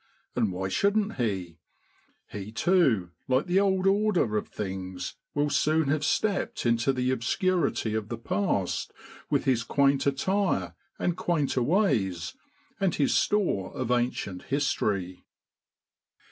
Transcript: And why shouldn't he ? He too, like the old order of things, will soon have stepped into the obscurity of the past, with his quaint attire and quainter ways, and his store of ancient history.